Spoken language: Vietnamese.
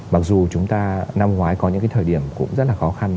mặc dù chúng ta năm ngoái có những cái thời điểm cũng rất là khó khăn